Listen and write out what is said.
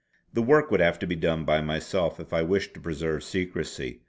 The work would have to be done by myself if I wished to preserve secrecy.